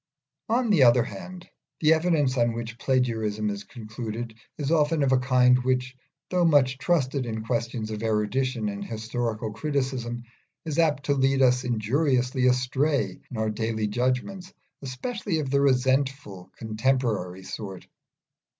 On the other hand, the evidence on which plagiarism is concluded is often of a kind which, though much trusted in questions of erudition and historical criticism, is apt to lead us injuriously astray in our daily judgments, especially of the resentful, condemnatory sort.